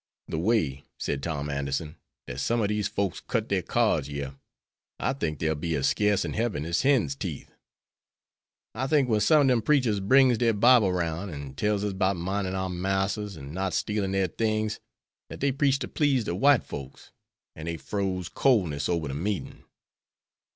"The way," said Tom Anderson, "dat some of dese folks cut their cards yere, I think dey'll be as sceece in hebben as hen's teeth. I think wen some of dem preachers brings de Bible 'round an' tells us 'bout mindin our marsters and not stealin' dere tings, dat dey preach to please de white folks, an' dey frows coleness ober de meetin'."